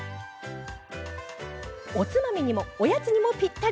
おつまみにも、おやつにもぴったり。